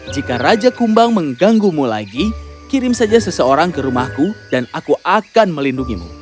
jika raja kumbang mengganggumu lagi kirim saja seseorang ke rumahku dan aku akan melindungimu